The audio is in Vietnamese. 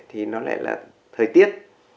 thì nó lại là thời tiết